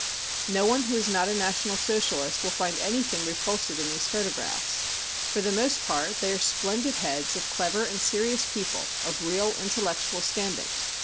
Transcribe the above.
No one who is not a National Socialist will find any thing repulsive in these photographs. For the most part they are splendid heads of clever and serious people of real intellectual standing.